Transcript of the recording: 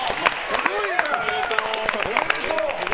おめでとう。